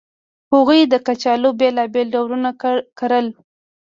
هغوی د کچالو بېلابېل ډولونه کرل